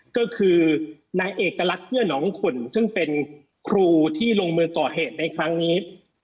ก็คือนายเอกลักษณ์เพื่อน้องขุ่นซึ่งเป็นครูที่ลงมือก่อเหตุในครั้งนี้